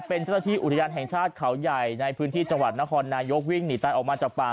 เป็นเจ้าหน้าที่อุทยานแห่งชาติเขาใหญ่ในพื้นที่จังหวัดนครนายกวิ่งหนีตายออกมาจากป่า